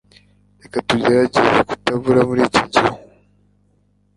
Reka tugerageze kutabura muri iki gihu